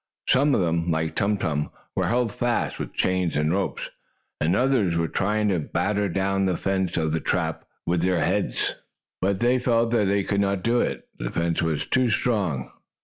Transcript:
Some of them, like Tum Tum, were held fast with chains and ropes, and others were trying to batter down the fence of the trap with their heads. But they felt that they could not do it, as the fence was too strong.